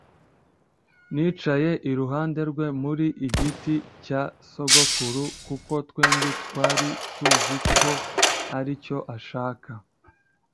nicaye iruhande rwe muri igiti cya sogokuru 'kuko twembi twari tuzi ko aricyo ashaka